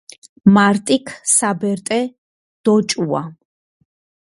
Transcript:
მარტიქ საბერტე დოჭუა